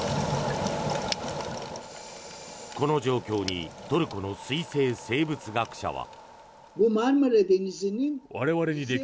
この状況にトルコの水生生物学者は。